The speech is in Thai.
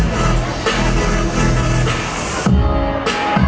ไม่ต้องถามไม่ต้องถาม